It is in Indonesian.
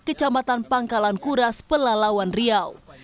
kecamatan pangkalan kuras pelalawan riau